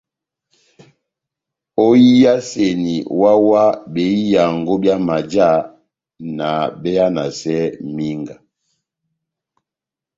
Óhiyaseni wáhá-wáhá behiyango byá majá na behanasɛ mínga.